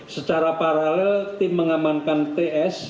secara paralel tim mengamankan ts